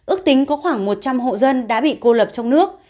ước tính có khoảng một trăm linh hộ dân đã bị cô lập trong nước